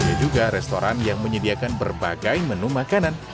ada juga restoran yang menyediakan berbagai menu makanan